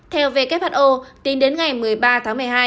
theo who tính đến ngày một mươi ba tháng một mươi hai